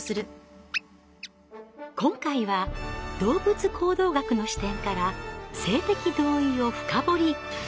今回は動物行動学の視点から性的同意を深掘り。